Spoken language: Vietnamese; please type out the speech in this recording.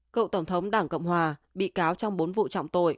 cựu tổng thống đảng cộng hòa bị cáo trong bốn vụ trọng tội